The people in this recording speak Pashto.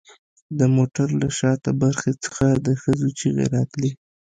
د موټر له شاته برخې څخه د ښځو چیغې راتلې